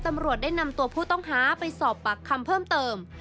ตำรวจได้นำตัวผู้ต้องหาไปสอบปากคำเพิ่มเติม